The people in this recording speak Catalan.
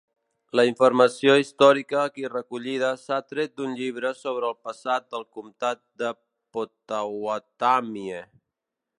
La informació històrica aquí recollida s'ha tret d'un llibre sobre el passat del comtat de Pottawattamie.